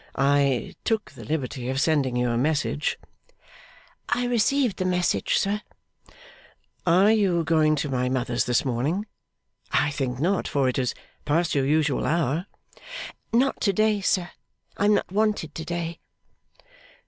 'I took the liberty of sending you a message.' 'I received the message, sir.' 'Are you going to my mother's this morning? I think not, for it is past your usual hour.' 'Not to day, sir. I am not wanted to day.